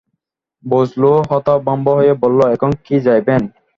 বজলু হতভম্ব হয়ে বলল, এখন কি যাইবেন?